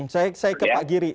saya ke pak giri